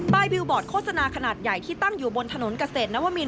บิลบอร์ดโฆษณาขนาดใหญ่ที่ตั้งอยู่บนถนนเกษตรนวมิน